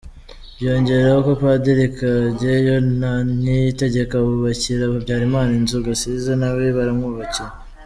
Byiyongeraho ko Padiri Kageyo na Niyitegeka bubakira Habyarimana inzu Gasiza nawe baramwubakiye.